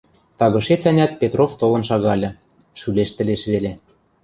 Тагышец-ӓнят Петров толын шагальы, шӱлештӹлеш веле.